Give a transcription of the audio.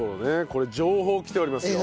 これ情報来ておりますよ。